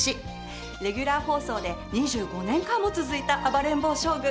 レギュラー放送で２５年間も続いた『暴れん坊将軍』。